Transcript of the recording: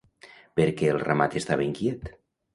Per què el ramat estava inquiet?